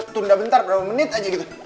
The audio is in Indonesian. tunda bentar berapa menit aja gitu